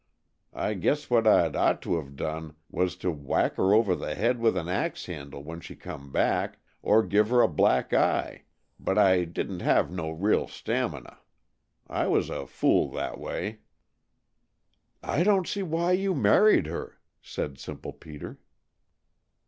I guess what I'd ought to have done was to whack her over the head with an ax handle when she come back, or give her a black eye, but I didn't have no real stamina. I was a fool that way." "I don't see why you married her," said simple Peter.